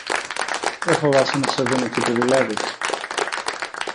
Δε φοβάσαι να σε δουν εκεί που δουλεύεις;